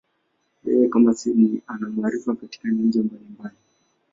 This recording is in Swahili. Yeye, kama Sydney, ana maarifa katika nyanja mbalimbali.